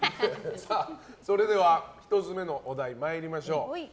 それでは１つ目のお題参りましょう。